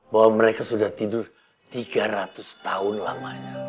bahwa mereka sudah tidur tiga ratus tahun lamanya